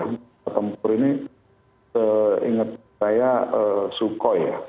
pesawat tempur ini seingat saya sukhoi ya